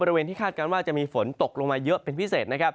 บริเวณที่คาดการณ์ว่าจะมีฝนตกลงมาเยอะเป็นพิเศษนะครับ